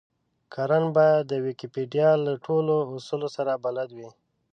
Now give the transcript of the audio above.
کارن بايد د ويکيپېډيا له ټولو اصولو سره بلد وي.